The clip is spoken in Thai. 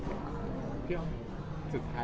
พี่แอ้มสุดท้ายแหละ